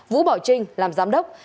vũ bảo trinh làm giám đốc